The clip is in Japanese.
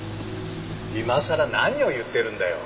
今さら何を言ってるんだよ。